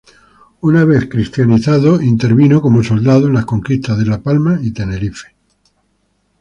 Una vez cristianizado, intervino como soldado en las conquistas de La Palma y Tenerife.